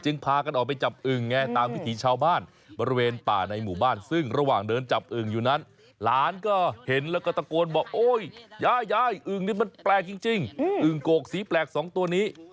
อึ่งนี้มันแปลกจริงอึ่งโกกสีแปลก๒ตัวนี้